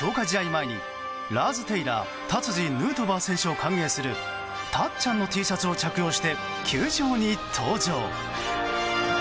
前にラーズ・テイラー・タツジ・ヌートバー選手を歓迎するたっちゃんのＴシャツを着用して球場に登場。